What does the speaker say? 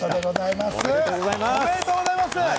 おめでとうございます。